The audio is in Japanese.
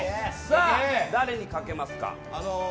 誰にかけますか？